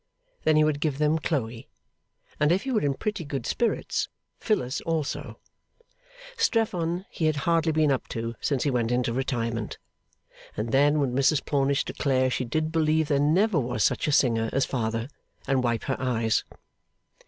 Then he would give them Chloe, and if he were in pretty good spirits, Phyllis also Strephon he had hardly been up to since he went into retirement and then would Mrs Plornish declare she did believe there never was such a singer as Father, and wipe her eyes.